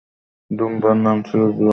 দুম্বার নাম ছিল জুরায়র।